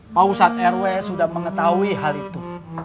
pausat rw sudah mengetahui hal itu